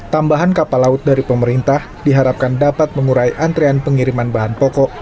tambahan kapal laut dari pemerintah diharapkan dapat mengurai antrean pengiriman bahan pokok